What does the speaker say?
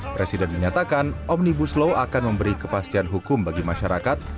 presiden menyatakan omnibus law akan memberi kepastian hukum bagi masyarakat